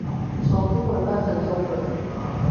從英文翻成中文